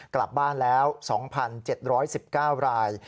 กลับบ้านแล้ว๒๗๑๙ราย